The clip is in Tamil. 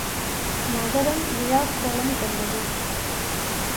நகரம் விழாக்கோலம் கொண்டது.